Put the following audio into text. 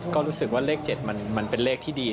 ก็รู้สึกว่าเลข๗มันเป็นเลขที่ดี